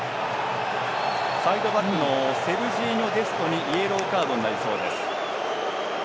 サイドバックのセルジーニョ・デストにイエローカードになりそうです。